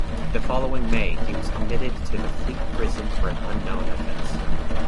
The following May, he was committed to the Fleet Prison for an unknown offence.